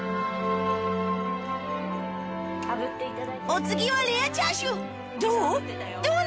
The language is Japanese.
お次はレアチャーシューどう？